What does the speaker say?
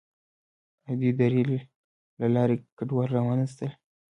آیا دوی د ریل له لارې کډوال را نه وستل؟